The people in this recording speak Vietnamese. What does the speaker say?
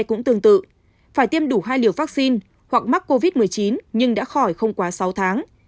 cũng tương tự phải tiêm đủ hai liều vaccine hoặc mắc covid một mươi chín nhưng đã khỏi không quá sáu tháng